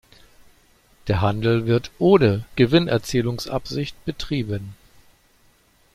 Der Handel wird ohne Gewinnerzielungsabsicht betrieben.